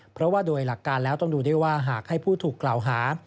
เพราะว่าโดยหลักการแล้วต้องดูด้วยว่าหากให้ผู้ถูกกล่าวหา